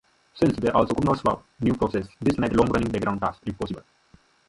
Since they also couldn't spawn new processes, this made long-running background tasks impossible.